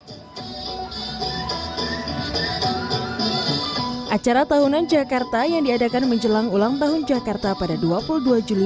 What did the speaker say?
hai acara tahunan jakarta yang diadakan menjelang ulang tahun jakarta pada dua puluh dua juli